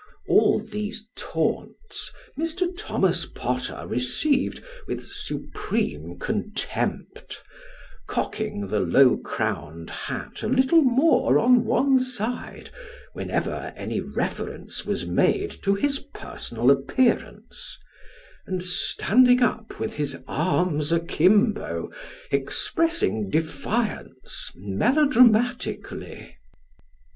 " All these taunts Mr. Thomas Potter received with supreme contempt, cocking the low crowned hat a little more on one side, whenever any reference was made to his personal appearance, and, standing up with his arms akimbo, expressing defiance melo dramatically.